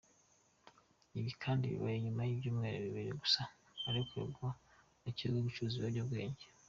Ibi kandi bibaye nyuma y’ibyumweru bibiri gusa arekuwe na bwo akekwaho gucuruza ibiyobyabwenge.